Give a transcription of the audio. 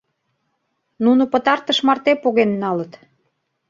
— Нуно пытартыш марте поген налыт!..